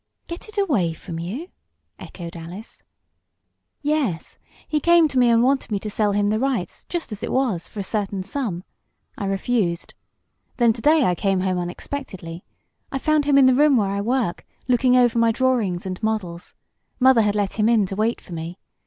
"Get it away from you?" echoed Alice. "Yes. He came to me and wanted me to sell him the rights, just as it was, for a certain sum. I refused. Then to day I came home unexpectedly. I found him in the room where I work, looking over my drawings and models. Mother had let him in to wait for me.